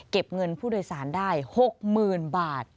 เงินผู้โดยสารได้๖๐๐๐บาท